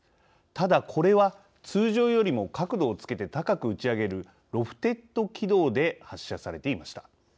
ただ、これは通常よりも角度をつけて高く打ち上げるロフテッド軌道で発射されていました。